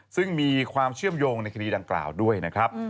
ซึ่งมีความเชื่อมโยงในคดีดังกล่าวด้วยนะครับ